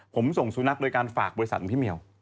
ผมส่งสุนัขโดยการฝากบริษัทของพี่เมียว